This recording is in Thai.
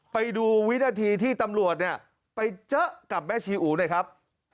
ไปดูวินาทีที่ตำรวจไปเจอกับแม่ชีอู๋ได้ครับ